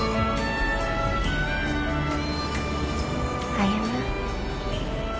歩。